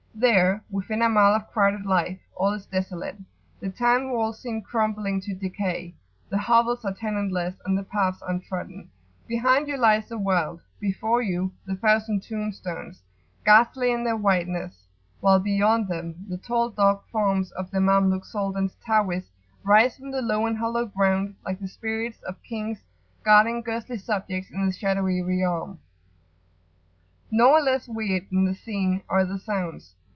There, within a mile of crowded life, all is desolate; the town walls seem crumbling to decay, the hovels are tenantless, and the paths untrodden; behind you lies the Wild, before you, the thousand tomb stones, ghastly in their whiteness; while beyond them the tall dark forms of the Mamluk Soldans' towers rise from the low and hollow ground like the spirits of kings guarding ghostly subjects in the Shadowy Realm. Nor less weird than the scene are the sounds!